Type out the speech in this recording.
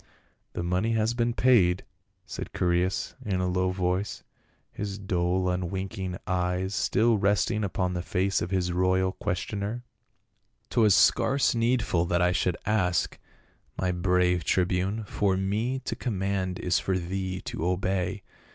" The money has been paid," said Chaereas in a low voice, his dull unwinking eyes still resting upon the face of his royal questioner. "' Twas scarce needful that I should ask, my brave tribune ; for me to command is for thee to obey.